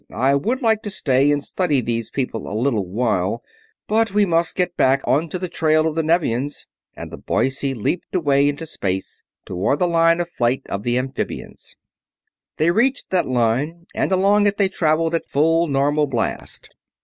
I would like to stay and study these people a little while, but we must get back onto the trail of the Nevians," and the Boise leaped away into space, toward the line of flight of the amphibians. They reached that line and along it they traveled at full normal blast.